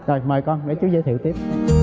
rồi mời con để chú giới thiệu tiếp